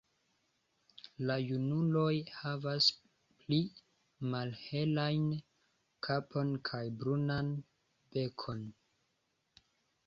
La junuloj havas pli malhelajn kapon kaj brunan bekon.